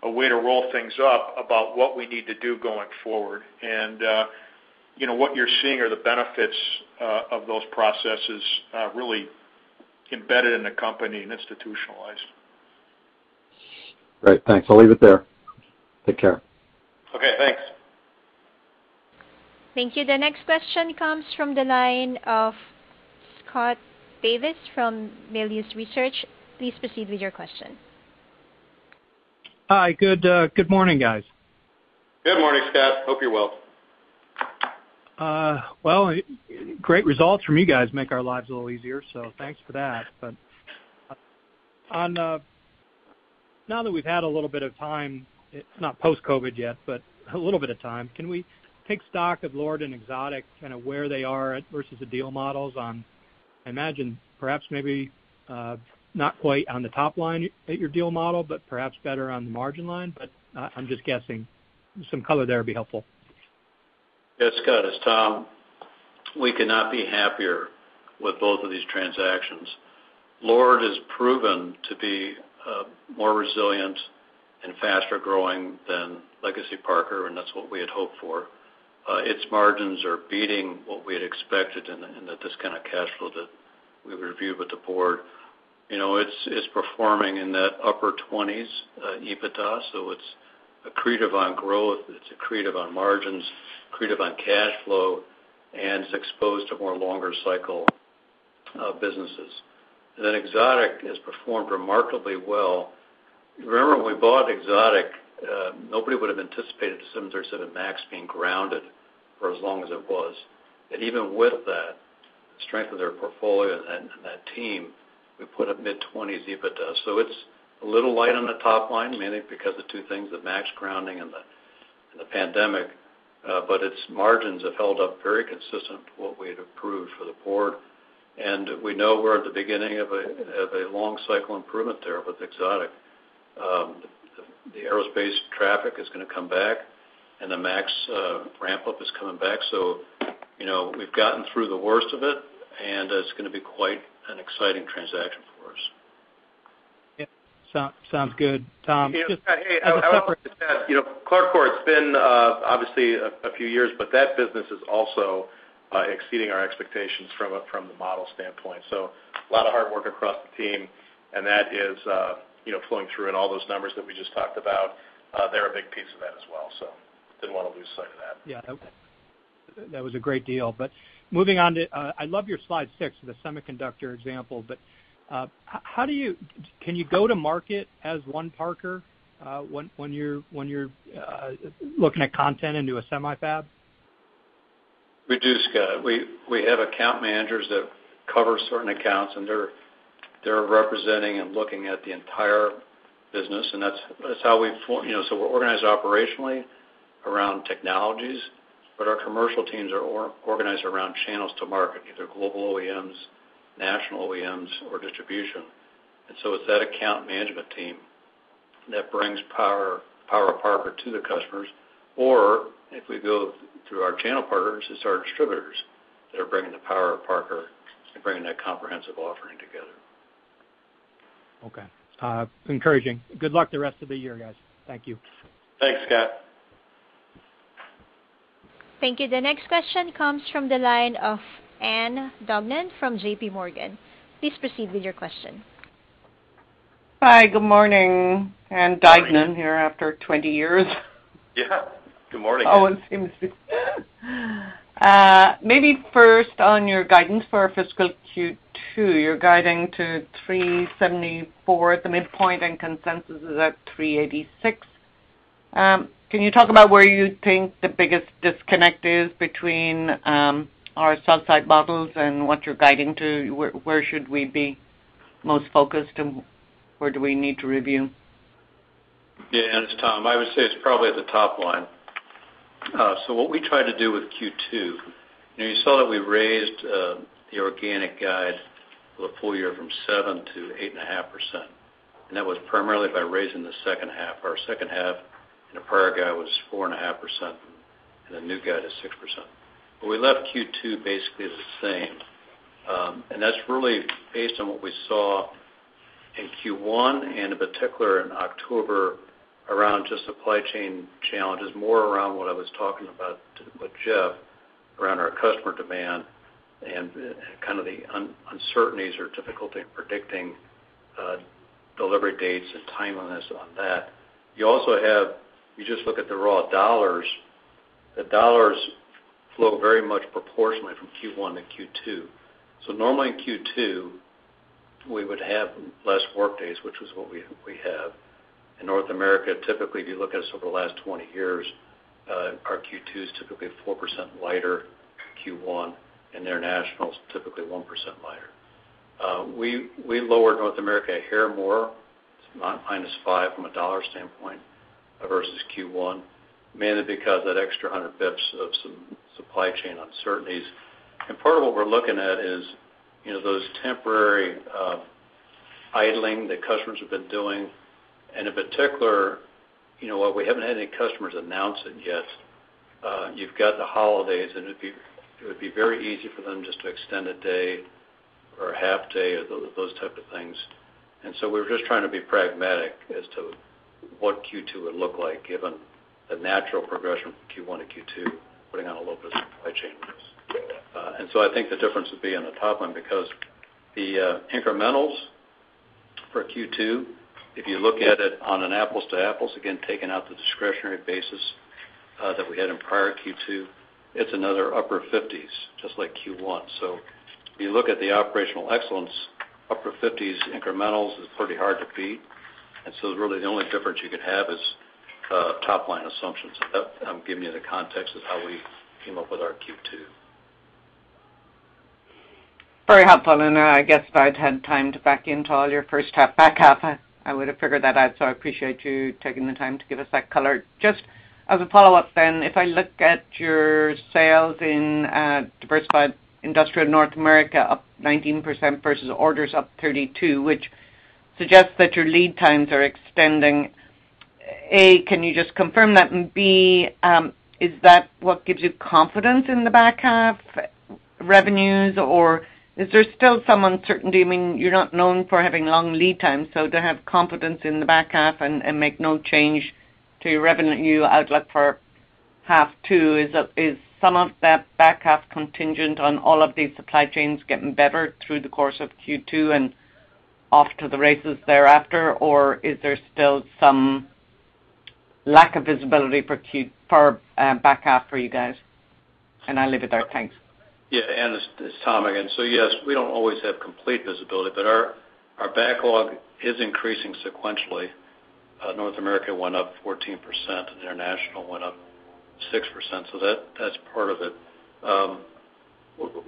a way to roll things up about what we need to do going forward. You know, what you're seeing are the benefits of those processes really embedded in the company and institutionalized. Great. Thanks. I'll leave it there. Take care. Okay, thanks. Thank you. The next question comes from the line of Scott Davis from Melius Research. Please proceed with your question. Hi, good morning, guys. Good morning, Scott. Hope you're well. Well, great results from you guys make our lives a little easier, so thanks for that. On now that we've had a little bit of time, not post-COVID yet, but a little bit of time, can we take stock of Lord and Exotic, kind of where they are at versus the deal models on, I imagine perhaps, maybe, not quite on the top line at your deal model, but perhaps better on the margin line. I'm just guessing. Some color there would be helpful. Yes, Scott, it's Tom. We could not be happier with both of these transactions. LORD has proven to be more resilient and faster growing than Legacy Parker, and that's what we had hoped for. Its margins are beating what we had expected and the cash flow that we reviewed with the board. You know, it's performing in the upper 20s EBITDA, so it's accretive on growth, it's accretive on margins, accretive on cash flow, and it's exposed to longer cycle businesses. Then Exotic has performed remarkably well. Remember when we bought Exotic, nobody would have anticipated the 737 MAX being grounded for as long as it was. Even with the strength of their portfolio and that team, we put up mid-20s EBITDA. It's a little light on the top line, mainly because of two things, the MAX grounding and the pandemic, but its margins have held up very consistent to what we had approved for the board. We know we're at the beginning of a long cycle improvement there with Exotic. The aerospace traffic is gonna come back and the MAX ramp up is coming back. You know, we've gotten through the worst of it, and it's gonna be quite an exciting transaction for us. Yeah. Sounds good, Tom. Scott, hey, I would offer to say, you know, CLARCOR, it's been obviously a few years, but that business is also exceeding our expectations from the model standpoint. A lot of hard work across the team, and that is, you know, flowing through in all those numbers that we just talked about. They're a big piece of that as well, so didn't want to lose sight of that. Yeah. That was a great deal. Moving on to I love your slide six, the semiconductor example. Can you go to market as one Parker, when you're looking at content into a semi fab? We do, Scott. We have account managers that cover certain accounts, and they're representing and looking at the entire business, and that's how we've formed. You know, we're organized operationally around technologies, but our commercial teams are organized around channels to market, either global OEMs, national OEMs, or distribution. It's that account management team that brings power Parker to the customers. If we go through our channel partners, it's our distributors that are bringing the power of Parker and bringing that comprehensive offering together. Okay. Encouraging. Good luck the rest of the year, guys. Thank you. Thanks, Scott. Thank you. The next question comes from the line of Ann Duignan from JPMorgan. Please proceed with your question. Hi. Good morning. Ann Duignan here after 20 years. Yeah. Good morning. Maybe first on your guidance for fiscal Q2, you're guiding to $3.74 at the midpoint, and consensus is at $3.86. Can you talk about where you think the biggest disconnect is between our sell-side models and what you're guiding to? Where should we be most focused and where do we need to review? Yeah, it's Tom. I would say it's probably the top line. So what we try to do with Q2, and you saw that we raised the organic guide for the full year from 7%-8.5%. That was primarily by raising the second half. Our second half in a prior guide was 4.5%, and the new guide is 6%. We left Q2 basically the same. That's really based on what we saw in Q1, and in particular in October, around just supply chain challenges, more around what I was talking about with Jeff around our customer demand and kind of the uncertainties or difficulty in predicting delivery dates and timeliness on that. You just look at the raw dollars. The dollars flow very much proportionately from Q1 to Q2. Normally in Q2, we would have less workdays, which was what we have. In North America, typically, if you look at us over the last 20 years, our Q2 is typically 4% lighter than Q1, and international is typically 1% lighter. We lowered North America a hair more, it's -5% from a dollar standpoint versus Q1, mainly because that extra 100 basis points of some supply chain uncertainties. Part of what we're looking at is, you know, those temporary idling that customers have been doing. In particular, you know, while we haven't had any customers announce it yet, you've got the holidays, and it would be very easy for them just to extend a day or a half day or those type of things. We're just trying to be pragmatic as to what Q2 would look like given the natural progression from Q1 to Q2, putting on a little bit of supply chain risk. I think the difference would be on the top line because the incrementals for Q2, if you look at it on an apples to apples, again, taking out the discretionary basis that we had in prior Q2, it's another upper 50s%, just like Q1. If you look at the operational excellence, upper 50s% incrementals is pretty hard to beat. Really the only difference you could have is top line assumptions. That, giving you the context of how we came up with our Q2. Very helpful. I guess if I'd had time to back into all your first half, back half, I would have figured that out. I appreciate you taking the time to give us that color. Just as a follow-up then, if I look at your sales in Diversified Industrial North America, up 19% versus orders up 32%, which suggests that your lead times are extending. A, can you just confirm that? B, is that what gives you confidence in the back half revenues, or is there still some uncertainty? I mean, you're not known for having long lead times, so to have confidence in the back half and make no change to your revenue outlook for half two, is some of that back half contingent on all of these supply chains getting better through the course of Q2 and off to the races thereafter? Or is there still some lack of visibility for back half for you guys? I leave it there. Thanks. Yeah. Ann, this is Tom again. Yes, we don't always have complete visibility, but our backlog is increasing sequentially. North America went up 14%, and International went up 6%, so that's part of it.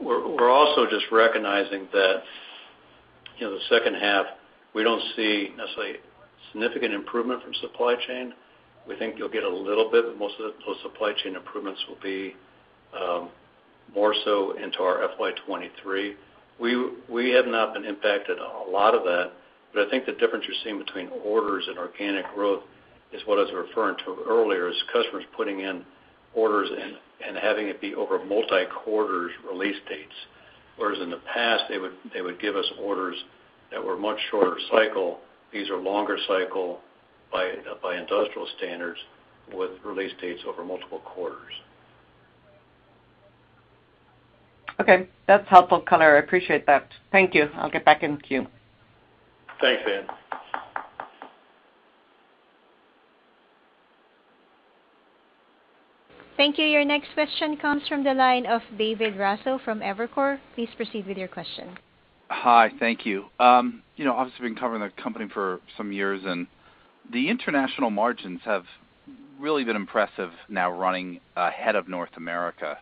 We're also just recognizing that, you know, the second half, we don't see necessarily significant improvement from supply chain. We think you'll get a little bit, but most of those supply chain improvements will be more so into our FY 2023. We have not been impacted a lot of that, but I think the difference you're seeing between orders and organic growth is what I was referring to earlier, is customers putting in orders and having it be over multi-quarters release dates. Whereas in the past, they would give us orders that were much shorter cycle. These are longer cycle by industrial standards with release dates over multiple quarters. Okay. That's helpful color. I appreciate that. Thank you. I'll get back in queue. Thanks, Ann. Thank you. Your next question comes from the line of David Raso from Evercore. Please proceed with your question. Hi. Thank you. You know, I've obviously been covering the company for some years, and the international margins have really been impressive now running ahead of North America.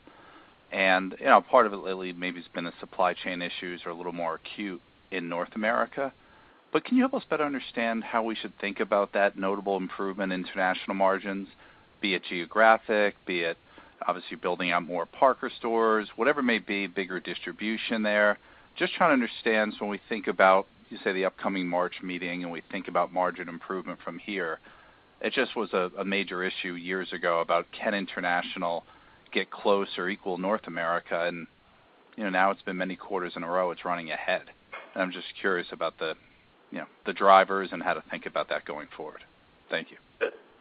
You know, part of it lately maybe has been the supply chain issues are a little more acute in North America. Can you help us better understand how we should think about that notable improvement in international margins, be it geographic, be it obviously building out more Parker Stores, whatever it may be, bigger distribution there? Just trying to understand, when we think about, you say, the upcoming March meeting, and we think about margin improvement from here, it just was a major issue years ago about can international get close or equal North America? You know, now it's been many quarters in a row it's running ahead. I'm just curious about the, you know, the drivers and how to think about that going forward. Thank you.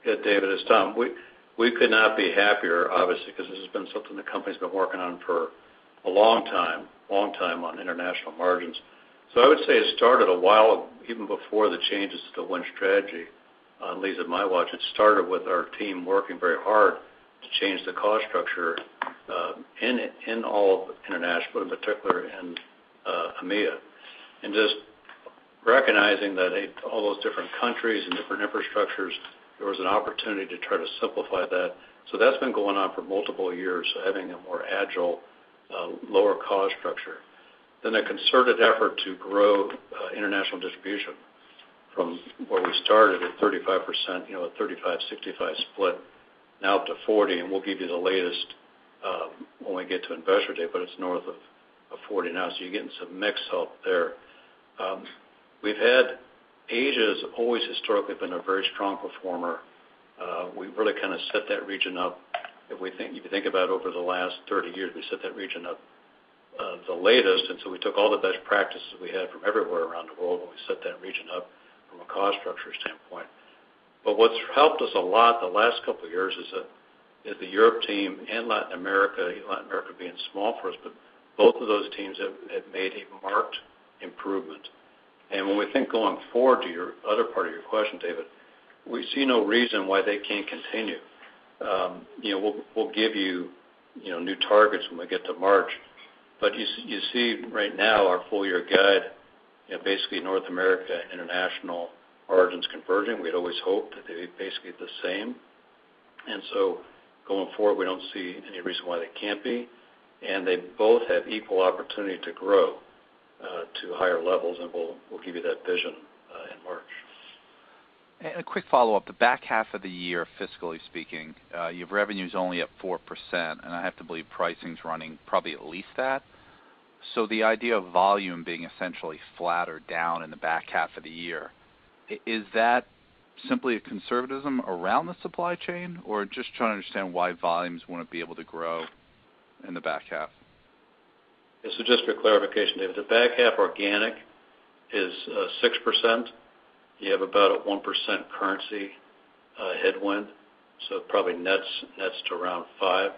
Yeah, David, it's Tom. We could not be happier, obviously, because this has been something the company's been working on for a long time on international margins. I would say it started a while, even before the changes to the Win Strategy, at least at my watch. It started with our team working very hard to change the cost structure in all of international, in particular in EMEA. Just recognizing that in all those different countries and different infrastructures, there was an opportunity to try to simplify that. That's been going on for multiple years, having a more agile lower cost structure. A concerted effort to grow international distribution from where we started at 35%, you know, a 35-65 split, now up to 40, and we'll give you the latest when we get to Investor Day, but it's north of 40 now. So you're getting some mix help there. Asia's always historically been a very strong performer. We really kind of set that region up, if you think about over the last 30 years, we set that region up the latest. We took all the best practices we had from everywhere around the world, and we set that region up from a cost structure standpoint. What's helped us a lot the last couple years is the Europe team and Latin America, Latin America being small for us, but both of those teams have made a marked improvement. When we think going forward to your other part of your question, David, we see no reason why they can't continue. You know, we'll give you new targets when we get to March. You see right now our full year guide, you know, basically North America and international origins converging. We'd always hoped that they'd be basically the same. Going forward, we don't see any reason why they can't be. They both have equal opportunity to grow to higher levels, and we'll give you that vision in March. A quick follow-up. The back half of the year, fiscally speaking, your revenue's only up 4%, and I have to believe pricing's running probably at least that. The idea of volume being essentially flat or down in the back half of the year, is that simply a conservatism around the supply chain? Or just trying to understand why volumes wouldn't be able to grow in the back half? This is just for clarification, David. The back half organic is 6%. You have about a 1% currency headwind, so it probably nets to around 5%.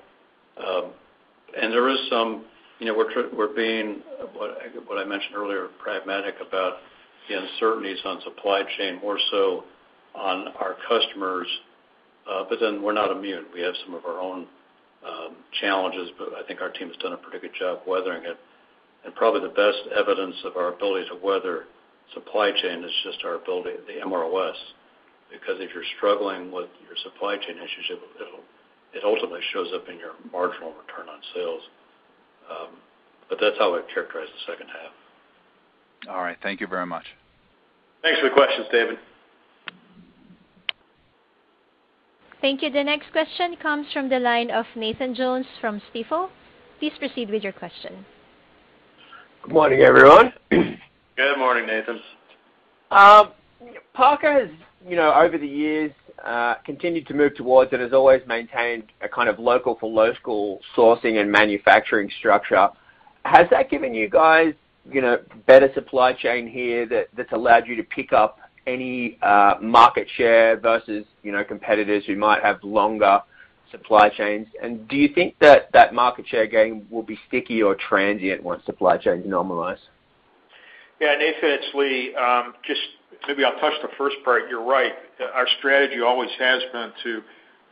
There is some, you know, we're being what I mentioned earlier, pragmatic about the uncertainties on supply chain, more so on our customers. Then we're not immune. We have some of our own challenges, but I think our team has done a pretty good job weathering it. Probably the best evidence of our ability to weather supply chain is just our ability, the MROs. Because if you're struggling with your supply chain issues, it'll ultimately show up in your marginal return on sales. That's how I'd characterize the second half. All right. Thank you very much. Thanks for the questions, David. Thank you. The next question comes from the line of Nathan Jones from Stifel. Please proceed with your question. Good morning, everyone. Good morning, Nathan. Parker has, you know, over the years, continued to move towards and has always maintained a kind of local for local sourcing and manufacturing structure. Has that given you guys, you know, better supply chain here that's allowed you to pick up any market share versus, you know, competitors who might have longer supply chains? Do you think that market share gain will be sticky or transient once supply chains normalize? Yeah, Nathan, it's Lee. Just maybe I'll touch the first part. You're right. Our strategy always has been to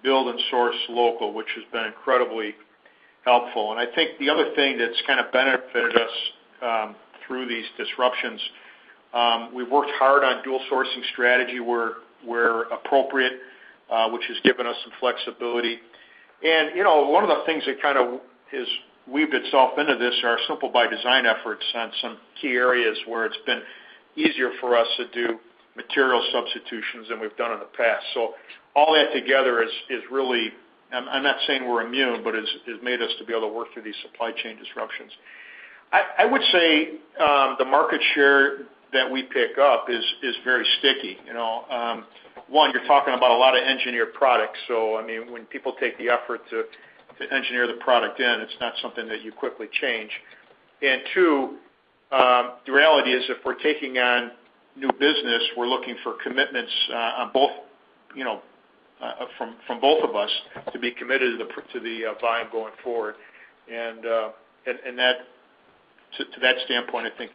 build and source local, which has been incredibly helpful. I think the other thing that's kind of benefited us through these disruptions, we've worked hard on dual sourcing strategy where appropriate, which has given us some flexibility. You know, one of the things that kind of has weaved itself into this are our simple by design efforts on some key areas where it's been easier for us to do material substitutions than we've done in the past. All that together is really. I'm not saying we're immune, but has made us to be able to work through these supply chain disruptions. I would say the market share that we pick up is very sticky, you know. One, you're talking about a lot of engineered products, so I mean, when people take the effort to engineer the product in, it's not something that you quickly change. Two, the reality is if we're taking on new business, we're looking for commitments on both, you know, from both of us to be committed to the volume going forward, and to that standpoint, I think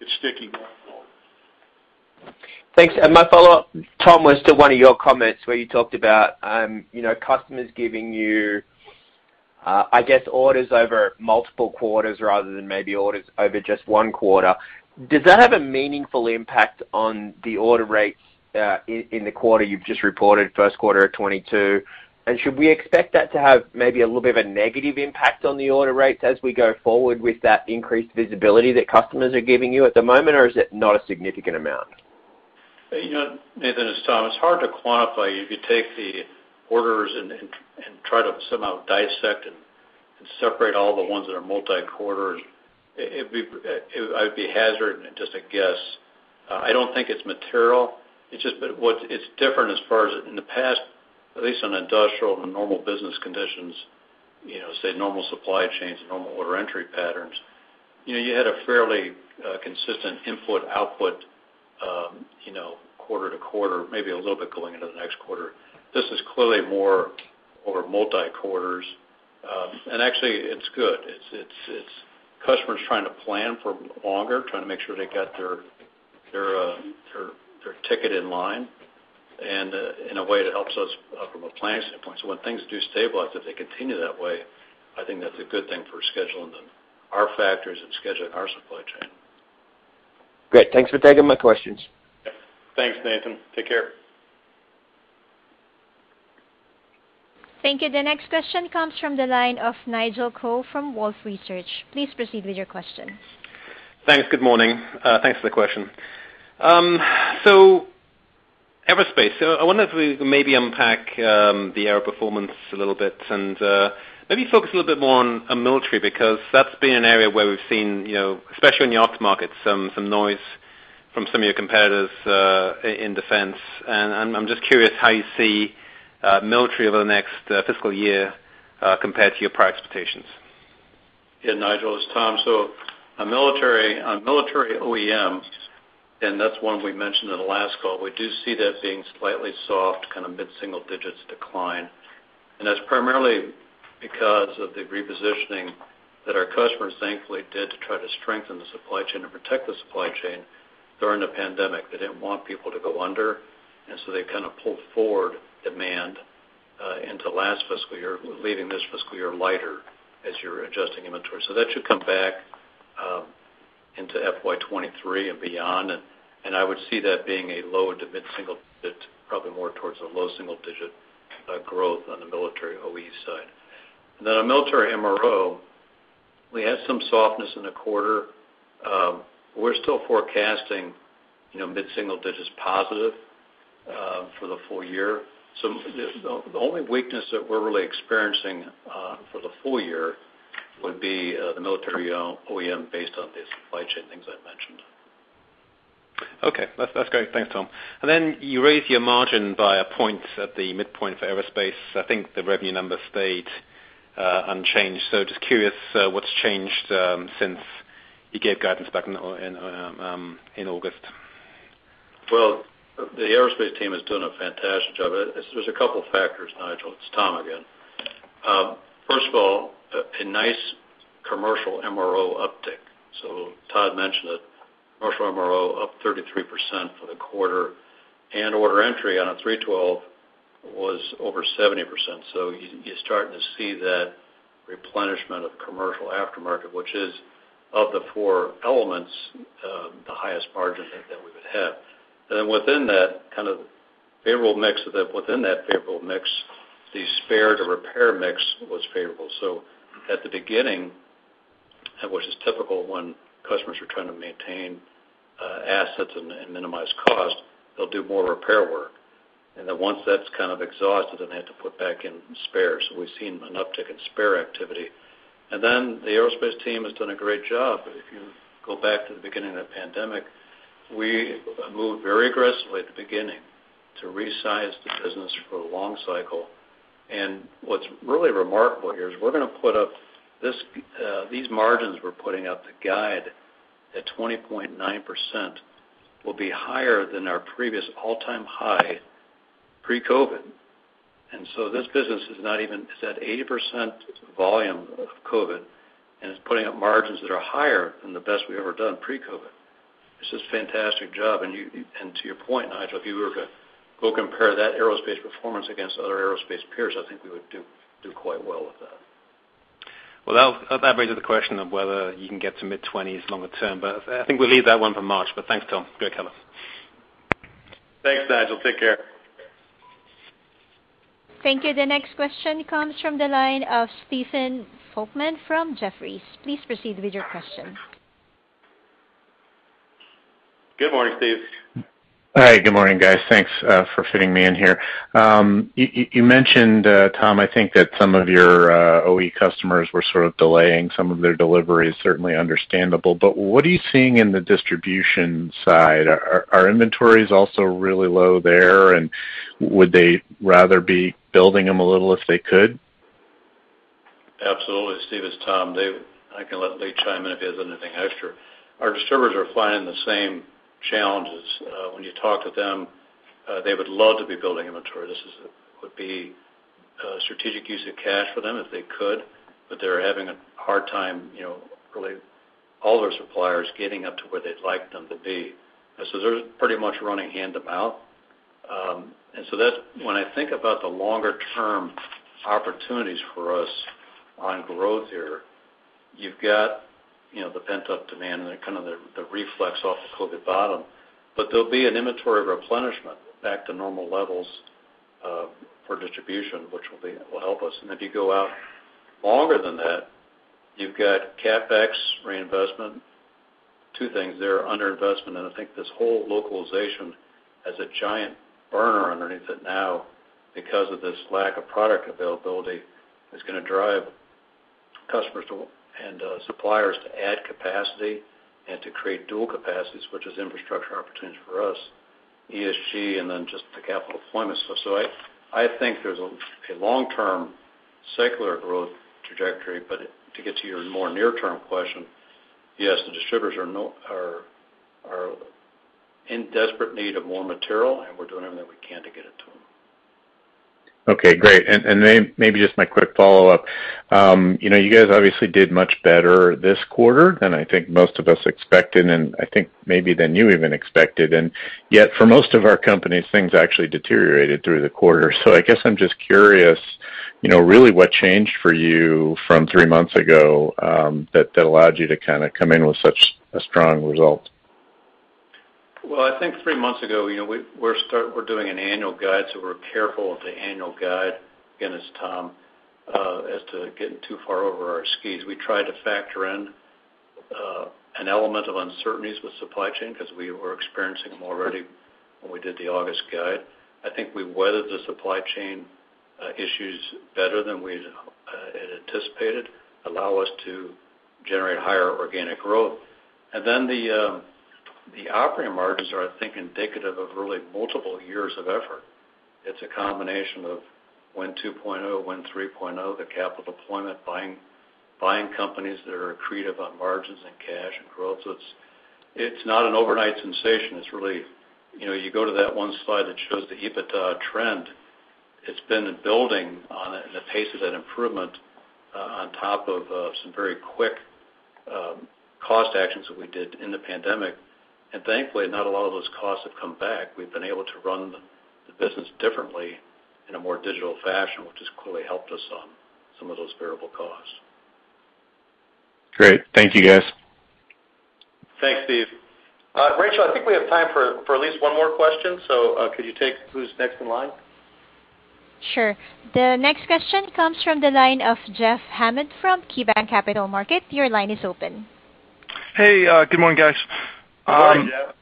it's sticky going forward. Thanks. My follow-up, Tom, was to one of your comments where you talked about, customers giving you, I guess, orders over multiple quarters rather than maybe orders over just one quarter. Does that have a meaningful impact on the order rates, in the quarter you've just reported, first quarter of 2022? Should we expect that to have maybe a little bit of a negative impact on the order rates as we go forward with that increased visibility that customers are giving you at the moment, or is it not a significant amount? You know, Nathan, it's Tom. It's hard to quantify. If you take the orders and try to somehow dissect and separate all the ones that are multi-quarters, it would be hazardous and just a guess. I don't think it's material. It's just different as far as in the past, at least in industrial and normal business conditions, you know, say normal supply chains and normal order entry patterns, you know, you had a fairly consistent input/output, you know, quarter to quarter, maybe a little bit going into the next quarter. This is clearly more over multi quarters. Actually it's good. It's customers trying to plan for longer, trying to make sure they got their ducks in a row and in a way that helps us from a planning standpoint. When things do stabilize, if they continue that way, I think that's a good thing for scheduling them, our factories and scheduling our supply chain. Great. Thanks for taking my questions. Thanks, Nathan. Take care. Thank you. The next question comes from the line of Nigel Coe from Wolfe Research. Please proceed with your question. Thanks. Good morning. Thanks for the question. Aerospace. I wonder if we could maybe unpack the OEM performance a little bit and maybe focus a little bit more on military, because that's been an area where we've seen, you know, especially in the aftermarket, some noise from some of your competitors in defense. I'm just curious how you see military over the next fiscal year compared to your prior expectations. Yeah, Nigel, it's Tom. On military OEMs, that's one we mentioned in the last call. We do see that being slightly soft, kind of mid-single-digit% decline. That's primarily because of the repositioning that our customers thankfully did to try to strengthen the supply chain and protect the supply chain during the pandemic. They didn't want people to go under, so they kind of pulled forward demand into last fiscal year, leaving this fiscal year lighter as you're adjusting inventory. That should come back into FY 2023 and beyond. I would see that being a low- to mid-single-digit%, probably more towards a low single-digit%, growth on the military OEM side. On military MRO, we had some softness in the quarter. We're still forecasting, you know, mid-single-digit% positive for the full year. The only weakness that we're really experiencing for the full year would be the military OEM based on the supply chain things I mentioned. Okay, that's great. Thanks, Tom. Then you raised your margin by a point at the midpoint for Aerospace. I think the revenue number stayed unchanged. Just curious, what's changed since you gave guidance back in August? Well, the aerospace team is doing a fantastic job. There's a couple factors, Nigel. It's Tom again. First of all, a nice commercial MRO uptick. Todd mentioned that commercial MRO up 33% for the quarter and order entry on a 312 was over 70%. You're starting to see that replenishment of commercial aftermarket, which is of the four elements, the highest margin that we would have. Within that kind of favorable mix, the spare to repair mix was favorable. At the beginning, which is typical when customers are trying to maintain assets and minimize cost, they'll do more repair work. Once that's kind of exhausted, they have to put back in spares. We've seen an uptick in spare activity. The Aerospace team has done a great job. If you go back to the beginning of the pandemic, we moved very aggressively at the beginning to resize the business for the long cycle. What's really remarkable here is we're gonna put up these margins we're putting up to guide at 20.9% will be higher than our previous all-time high pre-COVID. This business is at 80% volume of COVID, and it's putting up margins that are higher than the best we've ever done pre-COVID. This is a fantastic job. To your point, Nigel, if you were to go compare that Aerospace performance against other Aerospace peers, I think we would do quite well with that. Well, that raises the question of whether you can get to mid-twenties longer term, but I think we'll leave that one for March. Thanks, Tom. Go ahead, Kelvyn. Thanks, Nigel. Take care. Thank you. The next question comes from the line of Stephen Volkmann from Jefferies. Please proceed with your question. Good morning, Steve. Hi, good morning, guys. Thanks for fitting me in here. You mentioned, Tom, I think that some of your OE customers were sort of delaying some of their deliveries, certainly understandable. What are you seeing in the distribution side? Are inventories also really low there? And would they rather be building them a little if they could? Absolutely. Steve, it's Tom. Dave, I can let Lee chime in if he has anything extra. Our distributors are finding the same challenges. When you talk to them, they would love to be building inventory. This would be a strategic use of cash for them if they could, but they're having a hard time, you know, really all of their suppliers getting up to where they'd like them to be. They're pretty much running hand to mouth. That's when I think about the longer term opportunities for us on growth here. You've got, you know, the pent-up demand and then kind of the reflex off the COVID bottom. There'll be an inventory replenishment back to normal levels for distribution, which will help us. If you go out longer than that, you've got CapEx reinvestment. Two things there, underinvestment, and I think this whole localization has a giant burner underneath it now because of this lack of product availability, is gonna drive customers and suppliers to add capacity and to create dual capacities, which is infrastructure opportunities for us, ESG, and then just the capital deployment. I think there's a long-term secular growth trajectory. To get to your more near-term question, yes, the distributors are in desperate need of more material, and we're doing everything we can to get it to them. Okay, great. Maybe just my quick follow-up. You know, you guys obviously did much better this quarter than I think most of us expected, and I think maybe than you even expected. Yet, for most of our companies, things actually deteriorated through the quarter. I guess I'm just curious, you know, really what changed for you from three months ago, that allowed you to kinda come in with such a strong result? I think three months ago, you know, we're doing an annual guide, so we're careful of the annual guide, again, as Tom, as to getting too far over our skis. We try to factor in an element of uncertainties with supply chain because we were experiencing them already when we did the August guide. I think we weathered the supply chain issues better than we'd had anticipated, allow us to generate higher organic growth. Then the operating margins are, I think, indicative of really multiple years of effort. It's a combination of Win 2.0, Win 3.0, the capital deployment, buying companies that are accretive on margins and cash and growth. It's not an overnight sensation. It's really, you know, you go to that one slide that shows the EBITDA trend. It's been building on it, and the pace of that improvement, on top of, some very quick, cost actions that we did in the pandemic. Thankfully, not a lot of those costs have come back. We've been able to run the business differently in a more digital fashion, which has clearly helped us on some of those variable costs. Great. Thank you, guys. Thanks, Steve. Rachel, I think we have time for at least one more question. Could you take who's next in line? Sure. The next question comes from the line of Jeff Hammond from KeyBanc Capital Markets. Your line is open. Hey, good morning, guys. Good morning, Jeff.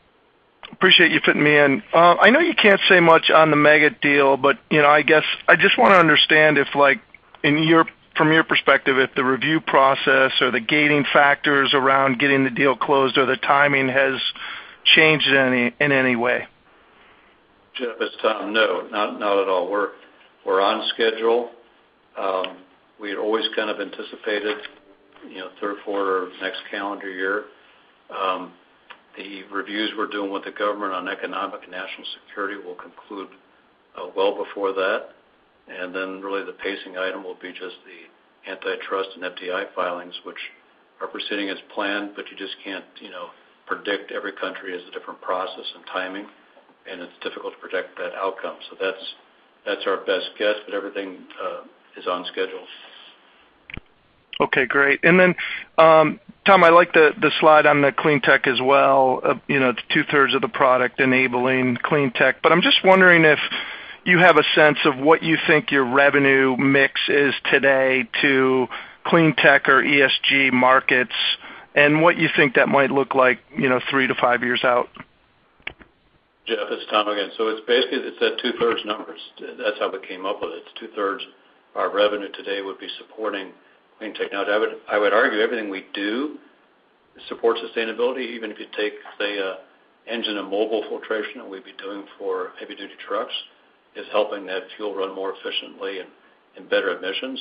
appreciate you fitting me in. I know you can't say much on the Meggitt deal, but you know, I guess I just wanna understand from your perspective, if the review process or the gating factors around getting the deal closed or the timing has changed in any way. Jeff, it's Tom. No, not at all. We're on schedule. We had always kind of anticipated, you know, third quarter of next calendar year. The reviews we're doing with the government on economic and national security will conclude well before that. Then really the pacing item will be just the antitrust and FDI filings, which are proceeding as planned, but you just can't, you know, predict. Every country has a different process and timing, and it's difficult to predict that outcome. That's our best guess. Everything is on schedule. Okay, great. Tom, I like the slide on the clean tech as well, you know, the two-thirds of the product enabling clean tech. I'm just wondering if you have a sense of what you think your revenue mix is today to clean tech or ESG markets and what you think that might look like, you know, three-five years out. Jeff, it's Tom again. It's basically that two-thirds number. That's how we came up with it. Two-thirds our revenue today would be supporting clean tech. I would argue everything we do supports sustainability. If you take, say, an engine and mobile filtration that we'd be doing for heavy-duty trucks is helping that fuel run more efficiently and better emissions.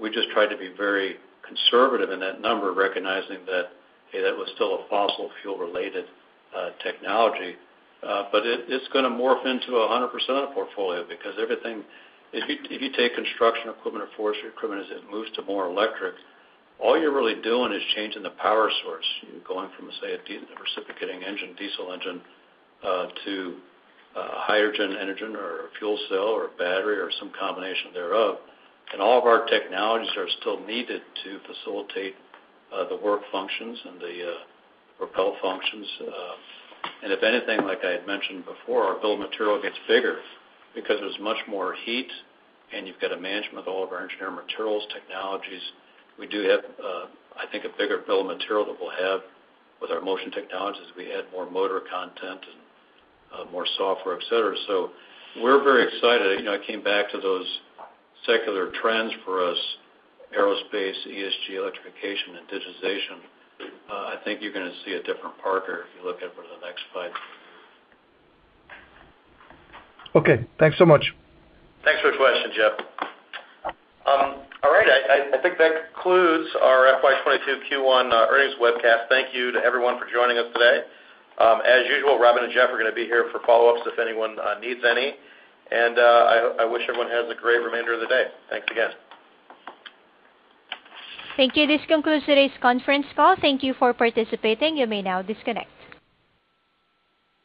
We just try to be very conservative in that number, recognizing that, hey, that was still a fossil fuel-related technology. It is going to morph into 100% of the portfolio because everything. If you take construction equipment or forestry equipment, as it moves to more electric, all you're really doing is changing the power source. You're going from, say, a reciprocating engine, diesel engine, to a hydrogen engine or a fuel cell or a battery or some combination thereof. All of our technologies are still needed to facilitate the work functions and the propulsion functions. If anything, like I had mentioned before, our bill of material gets bigger because there's much more heat, and you've got to manage all of our engineering materials, technologies. We do have, I think, a bigger bill of material that we'll have with our motion technologies. We add more motor content and more software, et cetera. So we're very excited. You know, I came back to those secular trends for us, aerospace, ESG, electrification and digitization. I think you're gonna see a different Parker if you look at it for the next five years. Okay, thanks so much. Thanks for the question, Jeff. All right. I think that concludes our FY 2022 Q1 earnings webcast. Thank you to everyone for joining us today. As usual, Robin and Jeff are gonna be here for follow-ups if anyone needs any. I wish everyone has a great remainder of the day. Thanks again. Thank you. This concludes today's conference call. Thank you for participating. You may now disconnect.